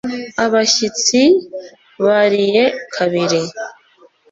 abashyitsi bariyekabiri